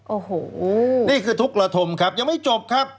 โอ้โหนี่คือทุกระทมครับยังไม่จบครับ